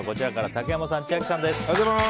竹山さん、千秋さんです。